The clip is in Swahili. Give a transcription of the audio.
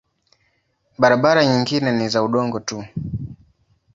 Barabara nyingine ni za udongo tu.